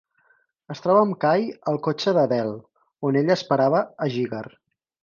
Es troba amb Kay al cotxe de Del, on ella esperava a Jigger.